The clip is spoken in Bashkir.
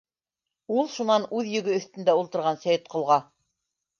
Ул шунан үҙ йөгө өҫтөндә ултырған Сәйетҡолға: